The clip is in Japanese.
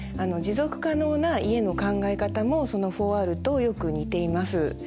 持続可能な家の考え方もその４Ｒとよく似ています。